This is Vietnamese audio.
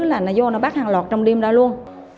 là nó vô nó bắt hàng loạt trong đêm đó luôn